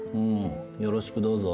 よろしくどうぞ。